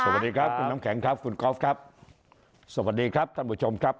สวัสดีครับคุณน้ำแข็งครับคุณกอล์ฟครับสวัสดีครับท่านผู้ชมครับ